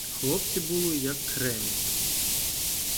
Хлопці були як кремінь.